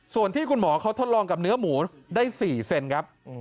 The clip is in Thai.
ส่วนที่คุณหมอเขาทดลองกับเนื้อหมูได้๔เซนครับ